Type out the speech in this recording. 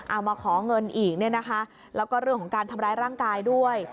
มาขอเงินอีกเนี่ยนะคะแล้วก็เรื่องของการทำร้ายร่างกายด้วย